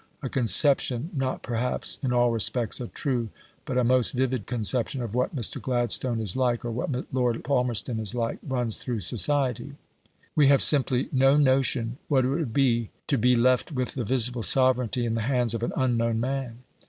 A conception, not, perhaps, in all respects a true but a most vivid conception of what Mr. Gladstone is like, or what Lord Palmerston is like, runs through society. We have simply no notion what it would be to be left with the visible sovereignty in the hands of an unknown man.